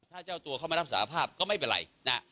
ถ้าเจ้าตัวเข้ามารับสารภาพก็ไม่เป็นไรนะ